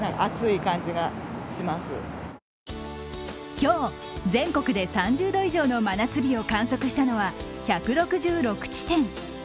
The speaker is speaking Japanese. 今日、全国で３０度以上の真夏日を観測したのは１６６地点。